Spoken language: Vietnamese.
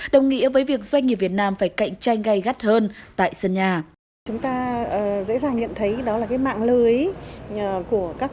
đồng nghĩa với việc doanh nghiệp việt nam phải cạnh tranh gây gắt hơn tại sân nhà